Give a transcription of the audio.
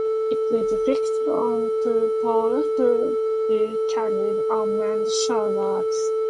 It is fixed on two poles to be carried on men's shoulders.